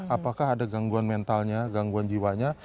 apakah ada gangguan mentalnya gangguan jiwanya